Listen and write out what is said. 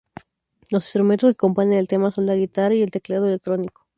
Los instrumentos que componen el tema son la guitarra y el teclado electrónico.